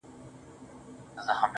سترگي دي پټي كړه ويدېږمه زه~